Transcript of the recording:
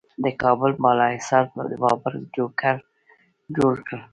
د کابل بالا حصار د بابر جوړ کړ